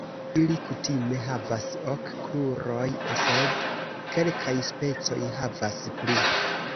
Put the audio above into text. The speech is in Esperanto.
Ili kutime havas ok kruroj, sed kelkaj specoj havas pli.